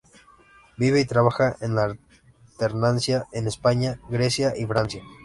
Vive y trabaja en alternancia en España, Grecia y Francia.